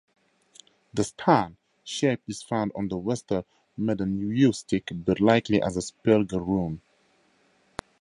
The "stan" shape is found on the Westeremden yew-stick, but likely as a "Spiegelrune".